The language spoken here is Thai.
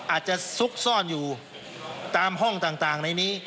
ซุกซ่อนอยู่ตามห้องต่างในนี้